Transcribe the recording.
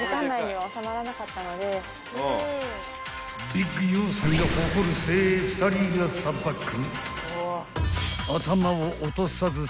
［ビッグヨーサンが誇る精鋭２人がさばく］